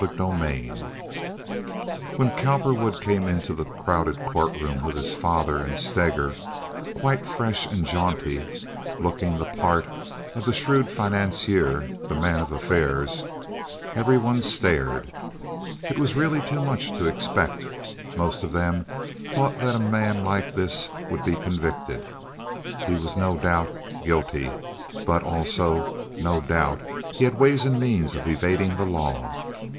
Chapter XL When Cowperwood came into the crowded courtroom with his father and Steger, quite fresh and jaunty (looking the part of the shrewd financier, the man of affairs), every one stared. It was really too much to expect, most of them thought, that a man like this would be convicted. He was, no doubt, guilty; but, also, no doubt, he had ways and means of evading the law.